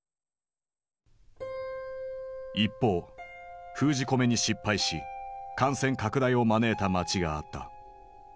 一方封じ込めに失敗し感染拡大を招いた街があった。